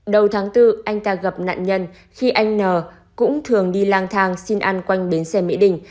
đầu tháng bốn anh ta gặp nạn nhân khi anh n cũng thường đi lang thang xin ăn quanh bến xe mỹ đình